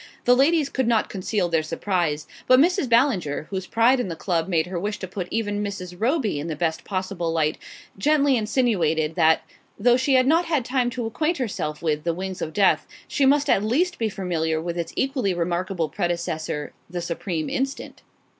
The ladies could not conceal their surprise; but Mrs. Ballinger, whose pride in the club made her wish to put even Mrs. Roby in the best possible light, gently insinuated that, though she had not had time to acquaint herself with "The Wings of Death," she must at least be familiar with its equally remarkable predecessor, "The Supreme Instant."